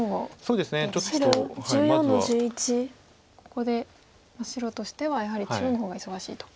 ここで白としてはやはり中央の方が忙しいと。